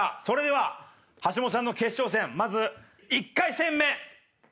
それでは橋本さんの決勝戦まず１回戦目。